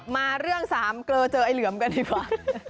มาเรื่องสามเกลอเจอไอ้เหลือมกันดีกว่า